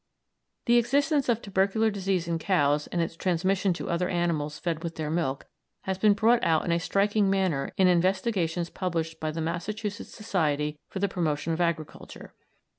The existence of tubercular disease in cows, and its transmission to other animals fed with their milk, has been brought out in a striking manner in investigations published by the Massachusetts Society for the Promotion of Agriculture.